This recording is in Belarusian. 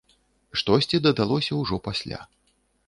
Штосьці дадалося ўжо пасля.